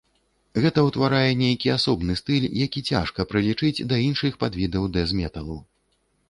Гэта ўтварае нейкі асобны стыль, які цяжка прылічыць да іншых падвідаў дэз-металу.